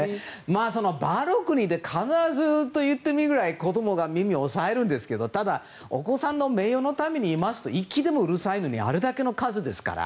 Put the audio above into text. そのバルコニーで必ずと言ってもいいくらい子供が耳を押さえるんですけどただ、お子さんの名誉のために言いますと１機でもうるさいのにあれだけの数ですから。